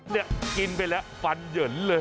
นี่กินไปแล้วฟันเหยินเลย